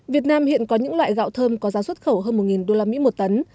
việt nam hiện có những loại gạo thơm có giá xuất khẩu hơn một usd một tấn